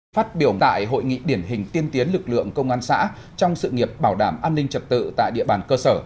phát biểu tại hội nghị điển hình tiên tiến lực lượng công an xã trong sự nghiệp bảo đảm an ninh trật tự tại địa bàn cơ sở